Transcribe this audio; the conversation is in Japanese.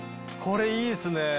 これいいですね。